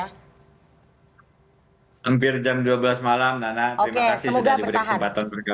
hampir jam dua belas malam nana